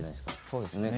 そうですね。